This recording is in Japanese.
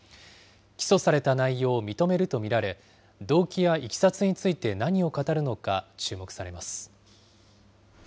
起訴された内容を認めると見られ、動機やいきさつについて何を語るのか注目されます。